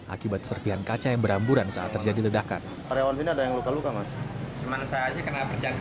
akibat serpihan kaca yang beramburan saat terjadi ledakan